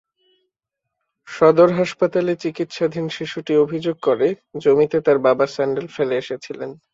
সদর হাসপাতালে চিকিৎসাধীন শিশুটি অভিযোগ করে, জমিতে তার বাবা স্যান্ডেল ফেলে এসেছিলেন।